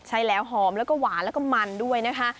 ใช่แล้วหอมแล้วก็หวานแล้วก็มันด้วยนะคะ